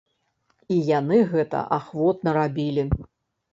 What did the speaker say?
І яны гэта ахвотна рабілі.